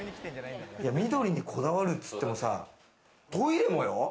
緑にこだわるっていってもさ、トイレもよ。